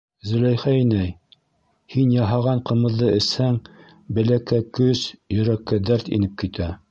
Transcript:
— Зөләйха инәй, һин яһаған ҡымыҙҙы эсһәң, беләккә көс, йөрәккә дәрт инеп китә.